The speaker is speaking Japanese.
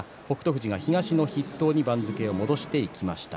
富士が東の筆頭に番付を戻しました。